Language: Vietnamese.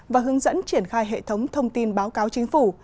và hướng dẫn triển khai hệ thống thông tin báo cáo chính phủ